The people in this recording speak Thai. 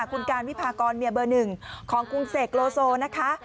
คุณการวิพากรเมียเบอร์หนึ่งของคุณเสกโลโซนะคะ